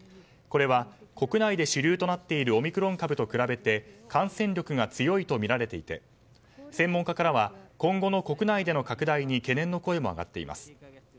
これは国内で主流となっているオミクロン株と比べて感染力が強いとみられていて専門家からは今後の国内での拡大に懸念の声も上がっています。